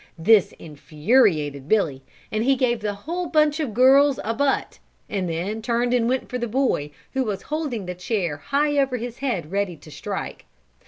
This infuriated Billy and he gave the whole bunch of girls a butt and then turned and went for the boy, who was holding the chair high over his head ready to strike.